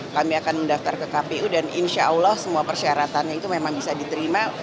kami akan mendaftar ke kpu dan insya allah semua persyaratannya itu memang bisa diterima